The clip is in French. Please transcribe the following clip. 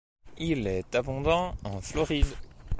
Il est abondant en Floride.